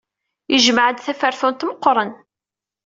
Yejmeɛ-d tafertunt meɣɣren.